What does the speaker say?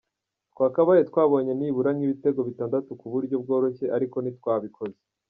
Twakabaye twabonye nibura nk’ibitego bitandatu ku buryo bworoshye ariko ntitwabikoze.